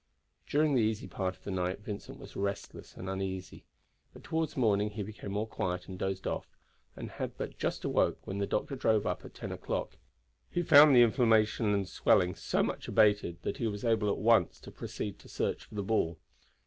During the easy part of the night Vincent was restless and uneasy, but toward morning he became more quiet and dozed off, and had but just awoke when the doctor drove up at ten o'clock. He found the inflammation and swelling so much abated that he was able at once to proceed to search for the ball.